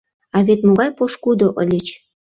А вет могай пошкудо ыльыч!